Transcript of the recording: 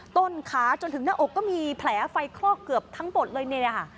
ต้นขาจนถึงหน้าอกก็มีแผลไฟคลอกเกือบทั้งหมดเลยเนี่ยนะคะ